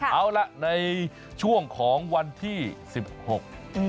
เอาล่ะในช่วงของวันที่สิบหก